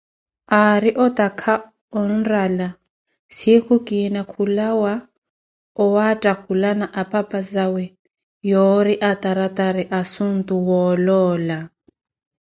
Aari otakha onrala, sinkhu kiina khulawa owattakhulana apapazawe yoori ataratari asuntu wooloola.